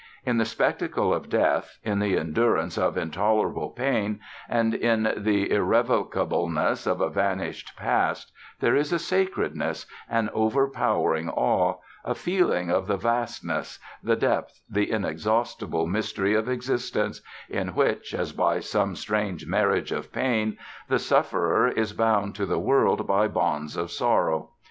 In the spectacle of Death, in the endurance of intolerable pain, and in the irrevocableness of a vanished past, there is a sacredness, an overpowering awe, a feeling of the vastness, the depth, the inexhaustible mystery of existence, in which, as by some strange marriage of pain, the sufferer is bound to the world by bonds of sorrow.